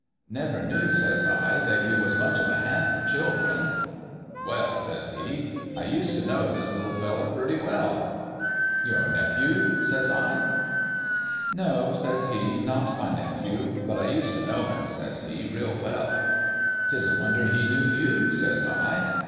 "' Never knew,' says I, ' that you was much of a hand for children.' The BOY HE USED to KNOW 191 "* Well/ says he, ' I used t' know this little feller real well.' "' Your nephew ?' says I. "' No,' says he ;' not my nephew. But I used t' know him,' says he, ' real well.' "' 'Tis a wonder he knew you,' says I.